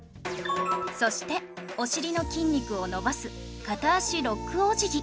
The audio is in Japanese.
そしてお尻の筋肉を伸ばす片脚ロックおじぎ